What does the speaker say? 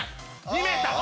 ２ｍ。